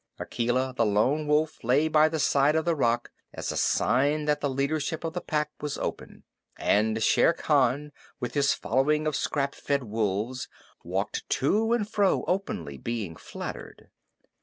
Akela the Lone Wolf lay by the side of his rock as a sign that the leadership of the Pack was open, and Shere Khan with his following of scrap fed wolves walked to and fro openly being flattered.